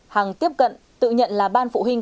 hằng tiếp cận tự nhận là ban phụ huynh